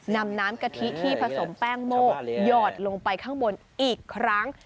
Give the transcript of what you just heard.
น้ำกะทิที่ผสมแป้งโมกหยอดลงไปข้างบนอีกครั้ง